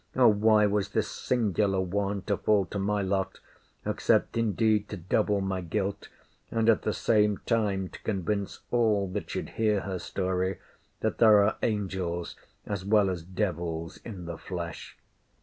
Or, why was this singular one to fall to my lot? except indeed to double my guilt; and at the same time to convince all that should hear her story, that there are angels as well as devils in the flesh?